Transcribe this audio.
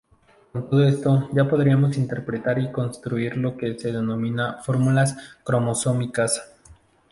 Con todo esto ya podríamos interpretar y construir lo que se denominan "fórmulas cromosómicas".